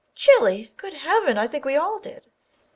Chilly! Good Heaven, I think we all did!